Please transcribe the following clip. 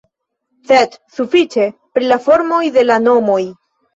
Sed sufiĉe pri la formoj de la nomoj.